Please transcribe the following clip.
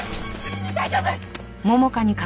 大丈夫！？